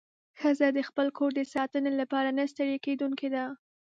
ښځه د خپل کور د ساتنې لپاره نه ستړې کېدونکې ده.